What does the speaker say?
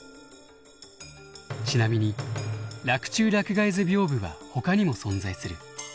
ちなみに「洛中洛外図屏風」はほかにも存在する。